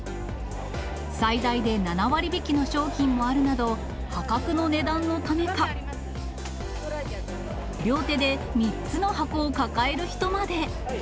最大で７割引きの商品もあるなど、破格の値段のためか、両手で３つの箱を抱える人まで。